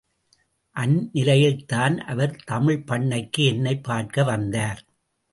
அந்நிலையில்தான் அவர் தமிழ்ப்பண்ணைக்கு என்னைப் பார்க்க வந்தார்.